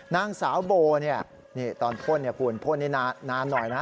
นางสาวโบนี่ตอนพ่นคุณพ่นนี้นานหน่อยนะ